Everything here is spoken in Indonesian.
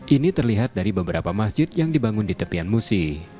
ini terlihat dari beberapa masjid yang dibangun di tepian musi